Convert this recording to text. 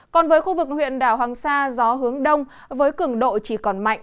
còn với khu vực huyện đảo hoàng sa gió hướng đông với cường độ chỉ còn mạnh